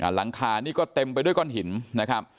หลังคานี่ก็เต็มไปด้วยก้อนหินนะครับ